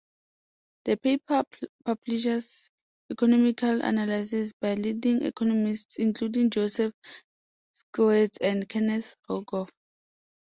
The paper publishes economical analyses by leading economists, including Joseph Stiglitz and Kenneth Rogoff.